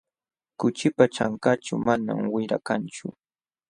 Kuchipa ćhankanćhu manam wira kanchu.